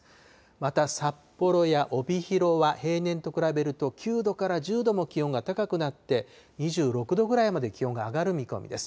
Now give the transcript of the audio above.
また、札幌や帯広は、平年と比べると９度から１０度も気温が高くなって、２６度ぐらいまで気温が上がる見込みです。